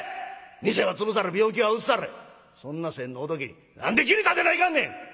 店は潰され病気はうつされそんな先の仏に何で義理立てないかんねん！」。